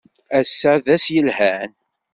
Ass-a d ass yelhan!